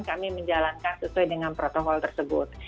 kami menjalankan sesuai dengan protokol tersebut